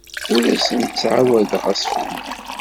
Ur asen-d-ttɛawadeɣ assefhem.